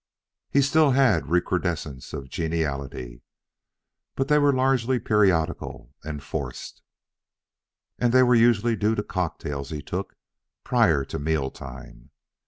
He still had recrudescence of geniality, but they were largely periodical and forced, and they were usually due to the cocktails he took prior to meal time.